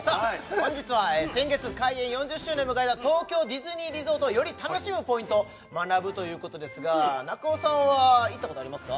本日は先月開園４０周年を迎えた東京ディズニーリゾートをより楽しむポイントを学ぶということですが中尾さんは行ったことありますか？